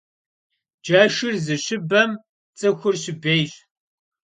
Ğeşşır zışıbem ts'ıxur şıbêyş.